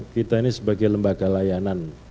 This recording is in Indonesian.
kita ini sebagai lembaga layanan